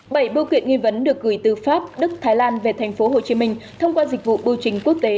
bảy bưu kiện nghi vấn được gửi từ pháp đức thái lan về tp hcm thông qua dịch vụ bưu trình quốc tế